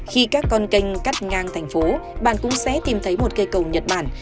khi các con kênh cắt ngang thành phố bạn cũng sẽ tìm thấy một cây cầu nhật bản